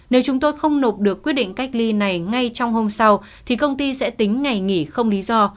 nếu chúng tôi không nộp được quyết định cách ly này ngay trong hôm sau thì công ty sẽ tính ngày nghỉ không lý do